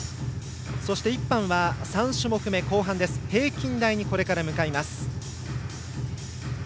そして１班は３種目めの後半平均台にこれから向かいます。